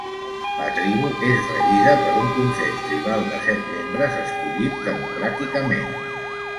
La tribu és regida per un consell tribal de set membres escollits democràticament.